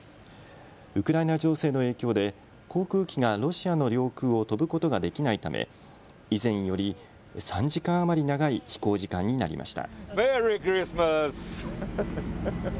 ウクライナ情勢の影響で航空機がロシアの領空を飛ぶことができないため以前より３時間余り長い飛行時間になりました。